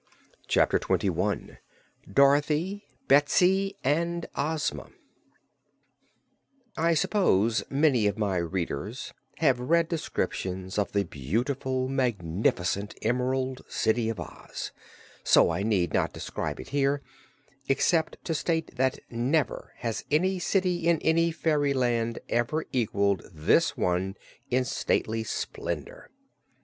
Chapter Twenty One Dorothy, Betsy and Ozma I suppose many of my readers have read descriptions of the beautiful and magnificent Emerald City of Oz, so I need not describe it here, except to state that never has any city in any fairyland ever equalled this one in stately splendor.